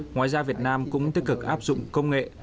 ngoài ra việt nam cũng tích cực áp dụng công nghệ